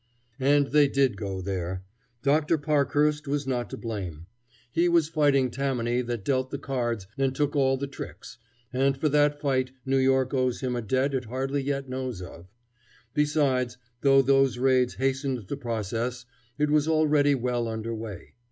And they did go there. Dr. Parkhurst was not to blame. He was fighting Tammany that dealt the cards and took all the tricks, and for that fight New York owes him a debt it hardly yet knows of. Besides, though those raids hastened the process, it was already well underway.